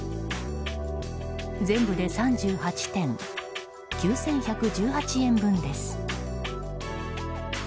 全部で３８点、９１１８円分です。